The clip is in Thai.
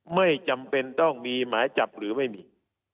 ไม่จำเป็นต้องมีหมายจับหรือไม่มี